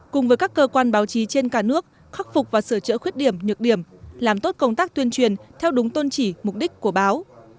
cùng với các cơ quan báo chí trên cả nước khắc phục và sửa chữa khuyết điểm nhược điểm làm tốt công tác tuyên truyền theo đúng tôn trị mục đích của báo